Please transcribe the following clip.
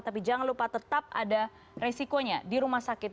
tapi jangan lupa tetap ada resikonya di rumah sakit